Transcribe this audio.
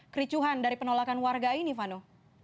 kericuhan dari penolakan warga ini vano